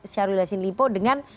syahrul yassin limpo dengan